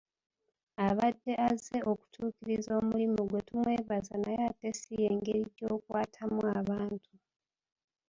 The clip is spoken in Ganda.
Abadde azze okutuukiriza omulimu ggwe tumwebaza naye ate si y'engeri gy'okwatamu abantu.